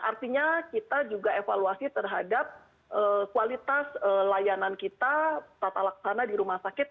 artinya kita juga evaluasi terhadap kualitas layanan kita tata laksana di rumah sakit